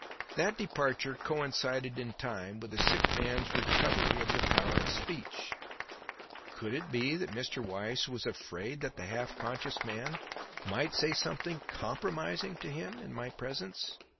That departure coincided in time with the sick man's recovery of the power of speech. Could it be that Mr. Weiss was afraid that the half conscious man might say something compromising to him in my presence?